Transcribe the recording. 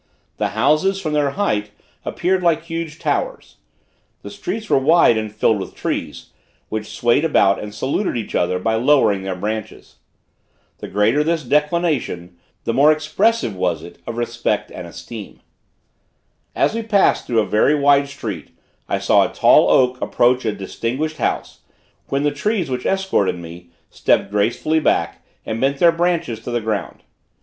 The houses, from their height, appeared like huge towers. The streets were wide and filled with trees, which swayed about and saluted each other by lowering their branches. The greater this declination, the more expressive was it of respect and esteem. As we passed through a very wide street I saw a tall oak approach a distinguished house, when the trees which escorted me, stepped gracefully back, and bent their branches to the ground.